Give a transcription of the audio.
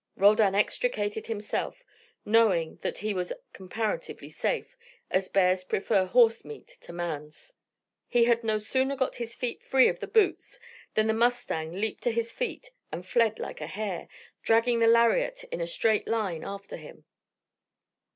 Roldan extricated himself, knowing that he was comparatively safe, as bears prefer horse meat to man's. He had no sooner got his feet free of the boots than the mustang leaped to his feet and fled like a hare, dragging the lariat in a straight line after him.